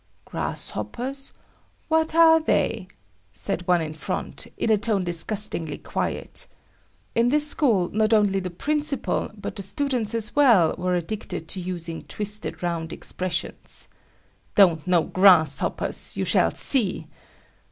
"Grasshoppers? What are they?" said one in front, in a tone disgustingly quiet. In this school, not only the principal, but the students as well, were addicted to using twisted round expressions. "Don't know grasshoppers! You shall see!"